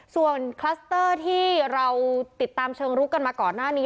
ส่วนคลัสเตอร์ที่เราติดตามเชิงลุกกันมาก่อนหน้านี้